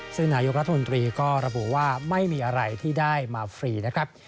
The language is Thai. ซึ่งนายกรัฐมนตรีก็ระบุว่าไม่มีอะไรที่ได้มาฟรีนะครับ